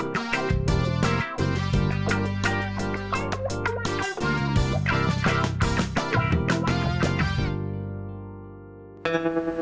saya sudah standby